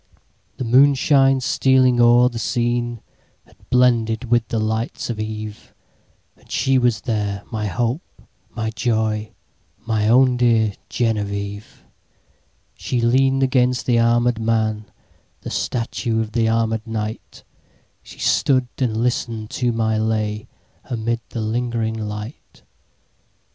The moonshine stealing o'er the sceneHad blended with the lights of eve; And she was there, my hope, my joy, My own dear Genevieve! She lean'd against the armèd man, The statue of the armèd knight; She stood and listen'd to my lay, Amid the lingering light.